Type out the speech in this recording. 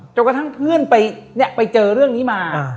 กระทั่งเพื่อนไปเจอเรื่องนี้มา